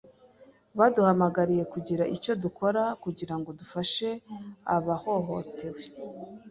Baduhamagariye kugira icyo dukora kugirango dufashe abahohotewe.